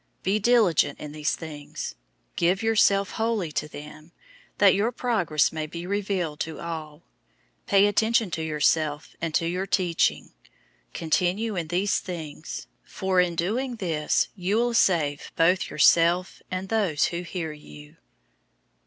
004:015 Be diligent in these things. Give yourself wholly to them, that your progress may be revealed to all. 004:016 Pay attention to yourself, and to your teaching. Continue in these things, for in doing this you will save both yourself and those who hear you.